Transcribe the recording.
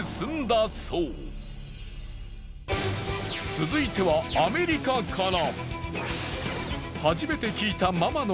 続いてはアメリカから。